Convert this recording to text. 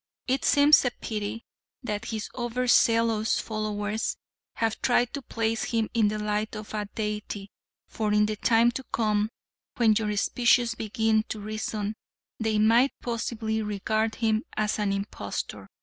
It seems a pity that his over zealous followers have tried to place him in the light of a deity, for in time to come, when your species begin to reason, they might possibly regard him as an impostor.